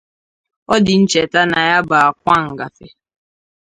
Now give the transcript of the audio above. Ọ dị ncheta na ya bụ àkwà ngafè